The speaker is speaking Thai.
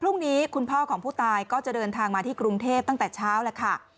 คุณพ่อของผู้ตายก็จะเดินทางมาที่กรุงเทพตั้งแต่เช้าแล้วค่ะ